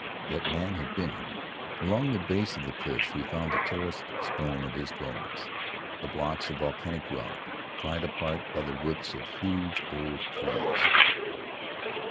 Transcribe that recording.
Yet man had been here. Along the base of the cliffs we found the terraced stone of his dwellings, the blocks of volcanic rock pried apart by the roots of huge old trees.